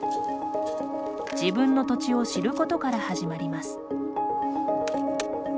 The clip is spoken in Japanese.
自分の土地を知ることから始まります。